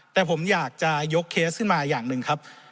แต่ผมอยากจะยกเคสขึ้นมาอย่างหนึ่งครับ